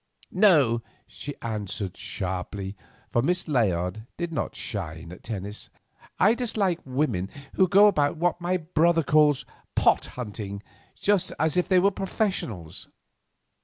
"No," she answered sharply, for Miss Layard did not shine at tennis. "I dislike women who go about what my brother calls 'pot hunting' just as if they were professionals."